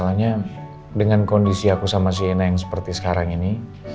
soalnya dengan kondisi aku sama shena yang seperti sekarang ini